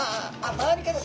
周りから。